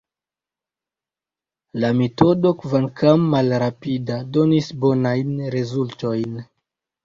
La metodo, kvankam malrapida, donis bonajn rezultojn.